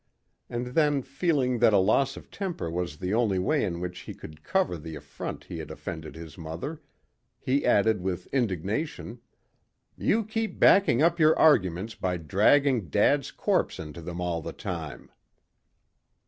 And then feeling that a loss of temper was the only way in which he could cover the affront he had offered his mother, he added with indignation, "You keep backing up your arguments by dragging dad's corpse into them all the time."